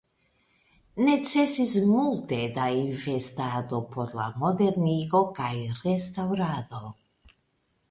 Necesis multe da investado por la modernigo kaj restaŭrado.